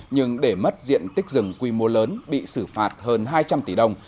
nhưng để mất diện tích rừng quy mô lớn bị xử phạt hơn hai trăm linh tỷ đồng